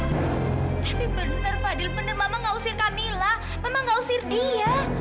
tapi bener fadl bener mama nggak usir kamila mama nggak usir dia